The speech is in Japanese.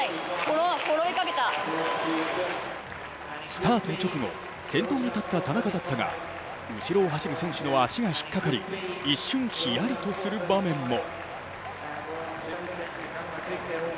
スタート直後、先頭に立った田中だったが後ろを走る選手の足が引っかかり、一瞬ひやりとする場面も。